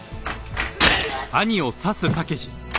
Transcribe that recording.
うっ！